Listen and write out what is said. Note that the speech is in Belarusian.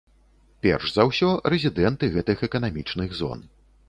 Перш за ўсё, рэзідэнты гэтых эканамічных зон.